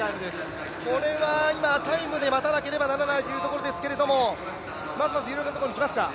これは今、タイムで待たなければならないというところですがまずまず有力なところに来ますか。